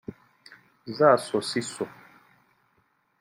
za sosiso